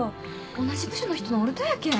同じ部署の人のおるとやけん。